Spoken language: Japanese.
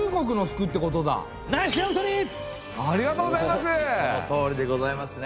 ありがとうございます。